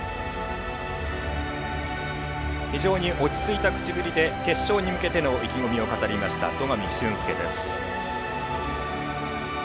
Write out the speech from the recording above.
非常に落ち着いた口ぶりで決勝に向けた意気込みを語りました戸上隼輔です。